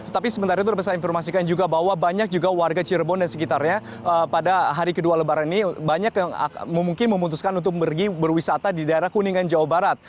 tapi sementara itu dapat saya informasikan juga bahwa banyak juga warga cirebon dan sekitarnya pada hari kedua lebaran ini banyak yang mungkin memutuskan untuk pergi berwisata di daerah kuningan jawa barat